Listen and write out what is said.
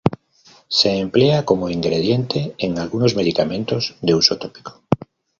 Se emplea como ingrediente en algunos medicamentos de uso tópico.